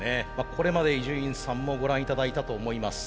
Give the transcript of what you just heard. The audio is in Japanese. これまで伊集院さんもご覧頂いたと思います。